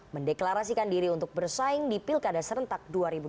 mendeklarasikan diri untuk bersaing di pilkada serentak dua ribu dua puluh